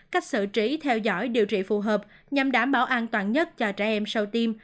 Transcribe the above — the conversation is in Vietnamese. cách xử trí theo dõi điều trị phù hợp nhằm đảm bảo an toàn nhất cho trẻ em sau tim